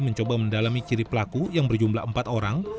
mencoba mendalami ciri pelaku yang berjumlah empat orang